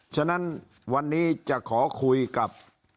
ฉะนั้นวันนี้จะขอคุยกับ